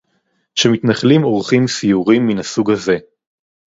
שמתנחלים עורכים סיורים מן הסוג הזה